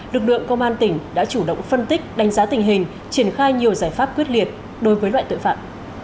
lực lượng công an tỉnh đã chủ động phân tích đánh giá tình hình triển khai nhiều giải pháp quyết liệt đối với loại tội phạm